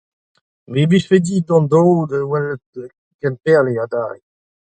Me 'blijfe din dont dro da welet Kemperle adarre.